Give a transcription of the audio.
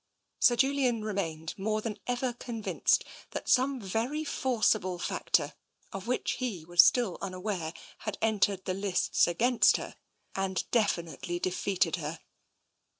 Sir Julian remained more than ever convinced that some very forcible factor, of which he was still un 252 TENSION aware, had entered the lists against her, and definitely defeated her.